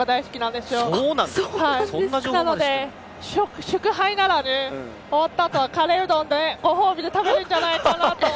ですので、祝杯なら終わったあとでカレーうどんでご褒美で食べるんじゃないかと。